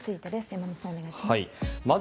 山本さん、お願いします。